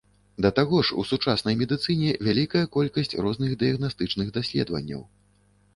Да таго ж, у сучаснай медыцыне вялікая колькасць розных дыягнастычных даследаванняў.